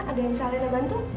ada yang bisa alena bantu